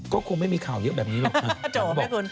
ก็คงไม่มีข่าวเยอะแบบนี้หรอกนางก็บอก